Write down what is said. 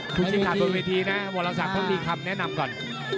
บริธิภาพก็ประจัดบนเวทีนะบริศักดิ์ธรรมดีคำแนะนำก่อน